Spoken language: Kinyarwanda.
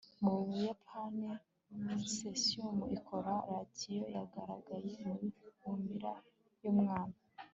mu buyapani, cesium ikora radiyo yagaragaye muri formula yumwana